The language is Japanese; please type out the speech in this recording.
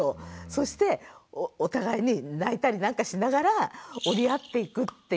そしてお互いに泣いたりなんかしながら折り合っていくっていう。